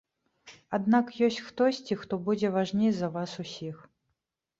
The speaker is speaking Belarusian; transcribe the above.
Аднак ёсць хтосьці, хто будзе важней за вас усіх.